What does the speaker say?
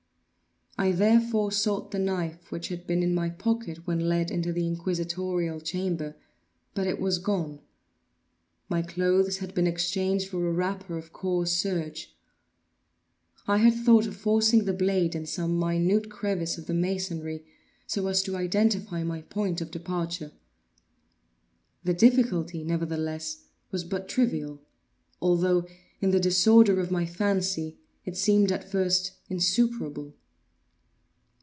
I therefore sought the knife which had been in my pocket, when led into the inquisitorial chamber; but it was gone; my clothes had been exchanged for a wrapper of coarse serge. I had thought of forcing the blade in some minute crevice of the masonry, so as to identify my point of departure. The difficulty, nevertheless, was but trivial; although, in the disorder of my fancy, it seemed at first insuperable.